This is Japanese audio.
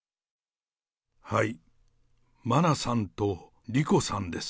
はい、まなさんとりこさんです。